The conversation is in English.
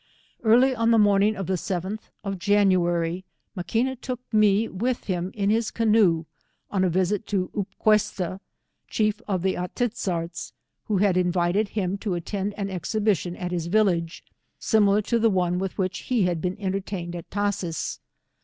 Early on the morning of the T(h of January, Maquina took me with him in his canoe on a visit to Upquesta, chief of the A. i tiz zarts. who had invited him to attend an exhibition at his village, similar to the one with which he had been enter tained at Tashees.